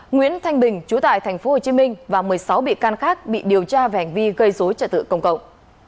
nguyễn thanh bình chú tại tp hcm và một mươi sáu bị can khác bị điều tra về hành vi gây dối trật tự công cộng